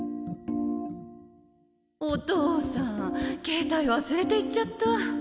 お父さん携帯忘れていっちゃった。